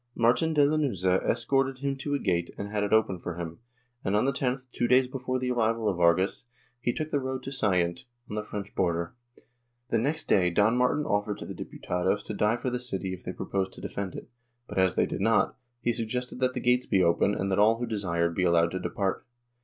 Martin de Lanuza escorted him to a gate and had it opened for him and, on the 10th, two days before the arrival Chap. X] ANTONIO PEREZ 265 of Vargas, he took the road to Salient, on the French frontier. The next day Don Martin offered to the Diputados to die for the city if they proposed to defend it, but, as they did not, he suggested that the gates be opened and that all who desired be allowed to depart.